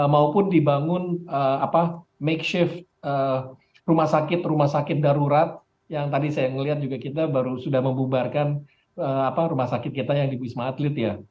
maupun dibangun make shift rumah sakit rumah sakit darurat yang tadi saya melihat juga kita baru sudah membubarkan rumah sakit kita yang di wisma atlet ya